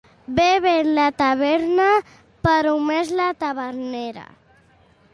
Bé ven la taverna, però més la tavernera.